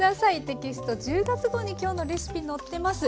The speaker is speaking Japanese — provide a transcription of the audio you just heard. テキスト１０月号に今日のレシピ載ってます。